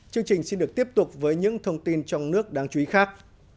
chương trình xin được tiếp tục với những thông tin trong nước đáng chú ý khác